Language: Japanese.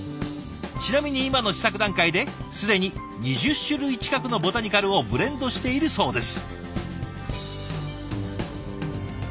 ちなみに今の試作段階で既に２０種類近くのボタニカルをブレンドしているそうです。